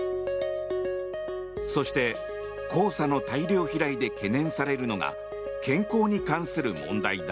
そして、黄砂の大量飛来で懸念されるのが健康に関する問題だ。